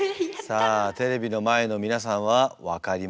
さあテレビの前の皆さんは分かりましたか？